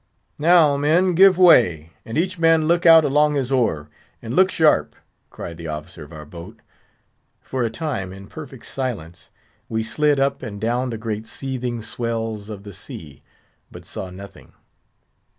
"Now, men, give way! and each man look out along his oar, and look sharp!" cried the officer of our boat. For a time, in perfect silence, we slid up and down the great seething swells of the sea, but saw nothing.